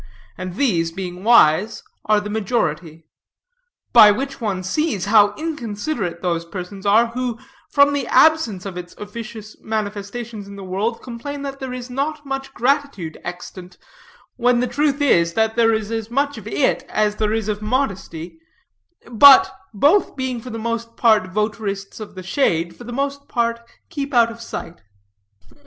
And these, being wise, are the majority. By which one sees how inconsiderate those persons are, who, from the absence of its officious manifestations in the world, complain that there is not much gratitude extant; when the truth is, that there is as much of it as there is of modesty; but, both being for the most part votarists of the shade, for the most part keep out of sight.